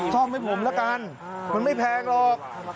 ซ่อมให้ผมละกันมันไม่แพงหรอก